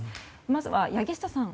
まずは柳下さん